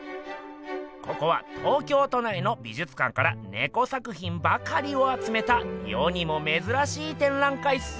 ここは東京都内の美術館からネコ作品ばかりをあつめた世にもめずらしい展覧会っす。